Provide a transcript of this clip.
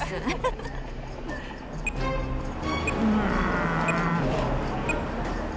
うん。